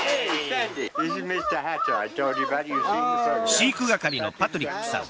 飼育係のパトリックさん。